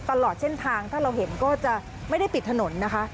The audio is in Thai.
ตลอดเส้นทางถ้าเราเห็นก็จะไม่ได้ปิดถนนนะคะ